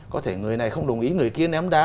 có thể người này không đồng ý người kia ném đá